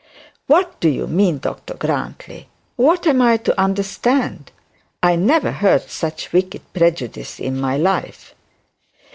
'What do you mean, Dr Grantly? What am I to understand? I never heard such wicked prejudice in my life.'